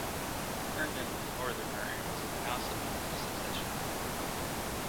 Herndon was a northerner and was a pronounced opponent of secession.